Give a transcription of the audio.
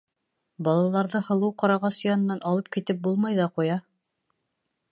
Балаларҙы һылыу ҡарағас янынан алып китеп булмай ҙа ҡуя.